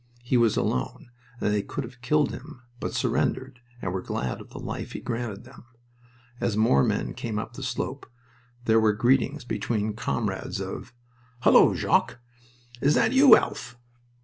He was alone, and they could have killed him, but surrendered, and were glad of the life he granted them. As more men came up the slope there were greetings between comrades, of: "Hullo, Jock!" "Is that you, Alf?"